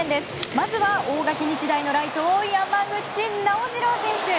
まずは大垣日大のライト山口直次郎選手。